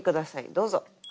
どうぞ。